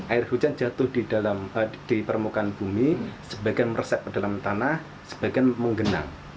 air hujan jatuh di permukaan bumi sebagian meresep ke dalam tanah sebagian menggenang